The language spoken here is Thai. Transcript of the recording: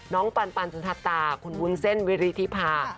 น้องปันปันสุธาตาคุณวุ้นเส้นเวริฐิพา